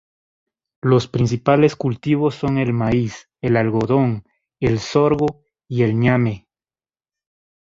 Los principales cultivos son el maíz, el algodón, el sorgo y el ñame.